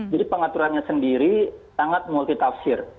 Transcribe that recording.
jadi pengaturannya sendiri sangat multitafsir